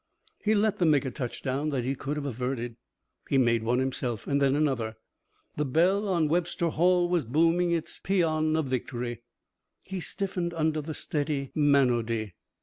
He let them make a touchdown that he could have averted. He made one himself. Then another. The bell on Webster Hall was booming its pæan of victory. He stiffened under the steady monody.